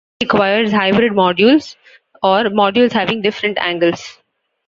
This requires hybrid modules, or modules having different angles.